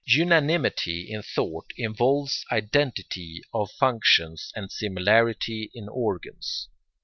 Unanimity in thought involves identity of functions and similarity in organs.